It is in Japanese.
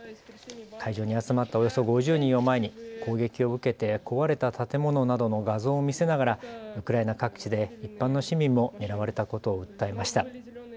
会場に集まったおよそ５０人を前に攻撃を受けて壊れた建物などの画像を見せながらウクライナ各地で一般の市民も狙われたことを訴えました。